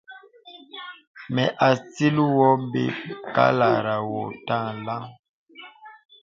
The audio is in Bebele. Mà atil wô be kālārá wô tà alàŋ.